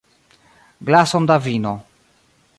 Glason da vino.